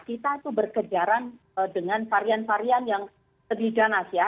kita itu berkejaran dengan varian varian yang lebih ganas ya